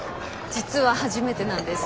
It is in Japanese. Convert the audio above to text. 実は初めてなんです。